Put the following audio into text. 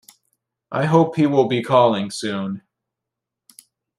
I hope he will be calling soon.